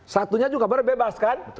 satunya juga baru bebas kan